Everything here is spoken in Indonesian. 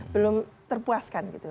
belum terpuaskan gitu